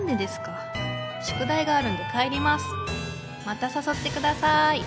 またさそってください。